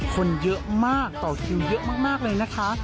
คนเยอะมากต่อคิวเยอะมากเลยนะคะ